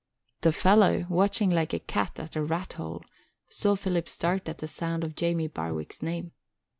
The fellow, watching like a cat at a rat hole, saw Phil start at the sound of Jamie Barwick's name.